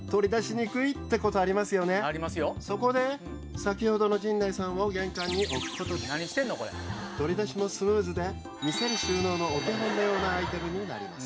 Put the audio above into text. そこで先ほどの陣内さんを玄関に置くことで取り出しもスムーズで見せる収納のお手本のようなアイテムになります。